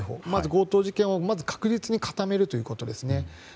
強盗事件を確実に固めるということですね。